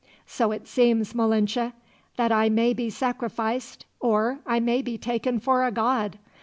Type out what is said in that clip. "So it seems, Malinche, that I may be sacrificed, or I may be taken for a god!